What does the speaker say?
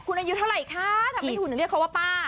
คุณอายุเท่าไหร่ค่ะถ้าไม่ถูกเว้นเรียกเค้าว่าป้า